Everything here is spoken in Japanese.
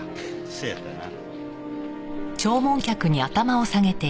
せやったな。